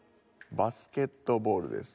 バスケットボールです。